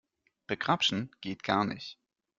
Begrapschen geht gar nicht.